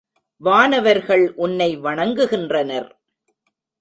வானவர்கள் உன்னை வணங்குகின்றனர்.